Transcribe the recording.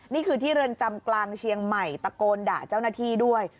นี่คือที่เรือนจำกลางเชียงใหม่ตะโกนด่าเจ้าหน้าที่ด้วย